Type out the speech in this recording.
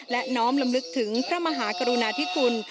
และน้อมลำลึกถึงพระมหากรุณาธิคุณ